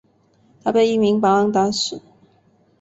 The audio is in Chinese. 他被一名保安打死。